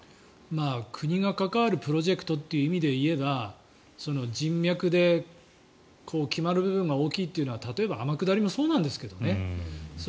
国が関わるプロジェクトという意味で言えば人脈で決まる部分が大きいというのは例えば天下りもそうなんですけどね。